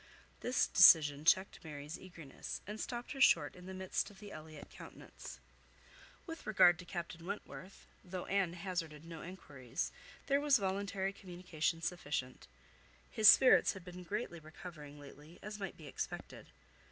This decision checked Mary's eagerness, and stopped her short in the midst of the Elliot countenance. With regard to Captain Wentworth, though Anne hazarded no enquiries, there was voluntary communication sufficient. His spirits had been greatly recovering lately as might be expected.